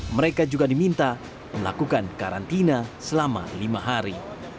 mereka juga diminta melakukan karantina selama lima hari